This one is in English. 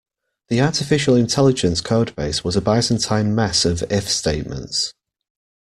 The artificial intelligence codebase was a byzantine mess of if statements.